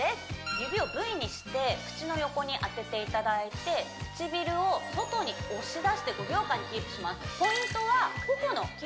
指をＶにして口の横に当てていただいて唇を外に押し出して５秒間キープします